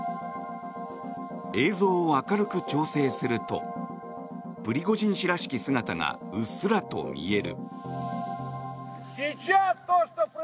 映像を明るく調整するとプリゴジン氏らしき姿がうっすらと見える。